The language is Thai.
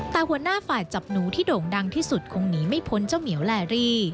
แต่หัวหน้าฝ่ายจับหนูที่โด่งดังที่สุดคงหนีไม่พ้นเจ้าเหมียวแลรี่